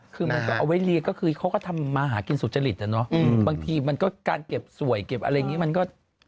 คือมันก็เอาไว้เลี้ยงก็คือเขาก็ทำมาหากินสุจริตอ่ะเนอะบางทีมันก็การเก็บสวยเก็บอะไรอย่างนี้มันก็